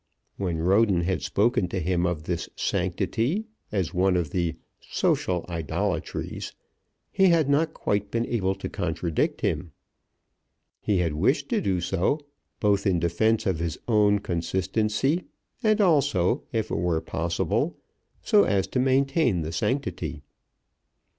When Roden had spoken to him of this sanctity as one of the "social idolatries," he had not quite been able to contradict him. He had wished to do so both in defence of his own consistency, and also, if it were possible, so as to maintain the sanctity.